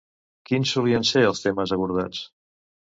Quins solien ser els temes abordats?